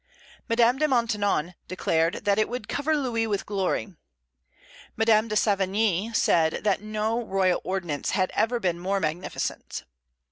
Madame de Maintenon declared that it would cover Louis with glory. Madame de Sévigné said that no royal ordinance had ever been more magnificent.